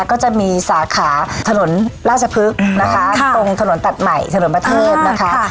ก็จะมีสาขาถนนราชพฤกษ์นะคะตรงถนนตัดใหม่เฉลิมประเทศนะคะ